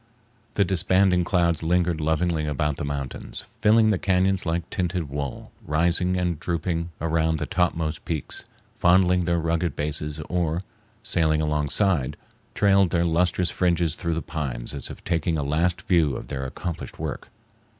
The disbanding clouds lingered lovingly about the mountains, filling the cañons like tinted wool, rising and drooping around the topmost peaks, fondling their rugged bases, or, sailing alongside, trailed their lustrous fringes through the pines as if taking a last view of their accomplished work.